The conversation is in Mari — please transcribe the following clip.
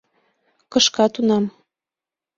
Кышка тунам.